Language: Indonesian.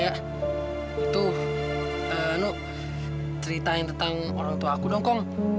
eh lo ceritain tentang orang tua aku dong kong